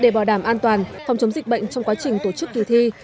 để bảo đảm an toàn phòng chống dịch bệnh trong quá trình tổ chức kỳ thi